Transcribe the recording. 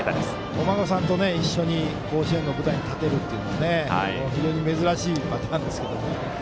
お孫さんと一緒に甲子園の舞台に立てるのは非常に珍しいパターンですけども。